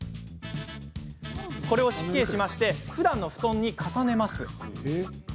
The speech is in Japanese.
これを失敬しましてふだんの布団に重ねます。